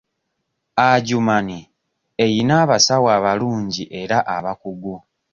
Adjumani eyina abasawo abalungi era abakugu.